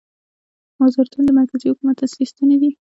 وزارتونه د مرکزي حکومت اصلي ستنې دي